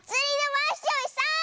ワッショイさん！